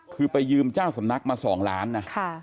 คือไปยืมเจ้าสำนักมา๒ล้านนะ